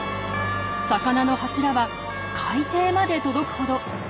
魚の柱は海底まで届くほど。